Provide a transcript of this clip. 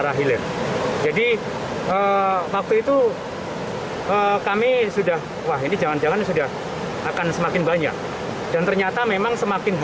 ya ini tadi seperti sudah dilihat semakin banyak memang